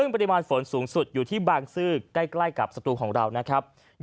ปริมาณฝนสูงสุดอยู่ที่บางซื้อใกล้กับศัตรูของเรา